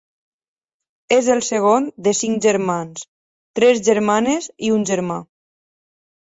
És el segon de cinc germans: tres germanes i un germà.